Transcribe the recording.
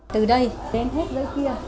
từ đây đến hết dưới kia